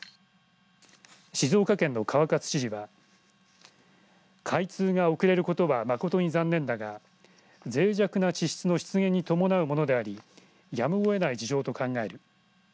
静岡県の川勝知事は開通が遅れることは誠に残念だがぜい弱な地質の出現に伴うものでありやむをえない事情と考える。